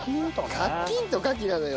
「カッキーン！」と「カキ」なのよ。